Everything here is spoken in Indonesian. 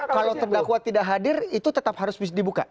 kalau terdakwa tidak hadir itu tetap harus dibuka